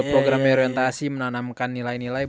program orientasi menanamkan nilai nilai